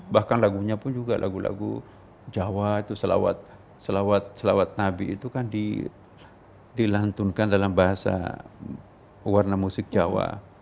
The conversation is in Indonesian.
bahkan lagunya pun juga lagu lagu jawa itu selawat nabi itu kan dilantunkan dalam bahasa warna musik jawa